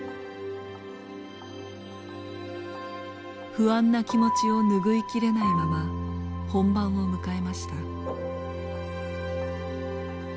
不安な気持ちを拭いきれないまま本番を迎えました。